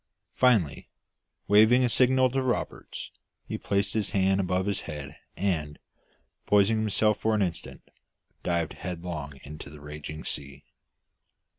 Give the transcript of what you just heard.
Finally, waving a signal to Roberts, he placed his hands above his head and, poising himself for an instant, dived headlong into the raging sea.